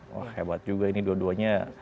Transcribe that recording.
wah hebat juga ini dua duanya